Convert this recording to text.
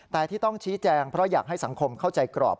แต่ที่ต้องชี้แจงเพราะอยากให้สังคมเข้าใจกรอบ